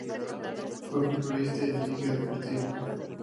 Fue futbolista y dirigente deportivo.